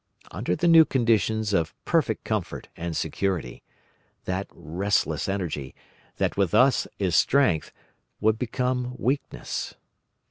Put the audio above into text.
"Under the new conditions of perfect comfort and security, that restless energy, that with us is strength, would become weakness.